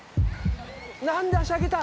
何で足上げた？